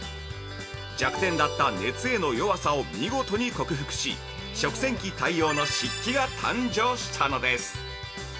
弱点だった熱への弱さを見事に克服し、食洗機対応の対応の漆器が誕生したのです。